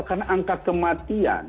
karena angka kematian